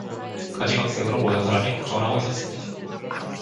가지각색으로 모든 사람이 걱정을 하고 있었습니다.